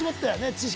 知識